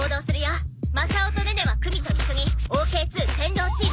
マサオとネネはクミと一緒にＯＫ−２扇動チーム。